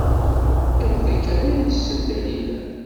Iḍelli kan ay yessen Dalila.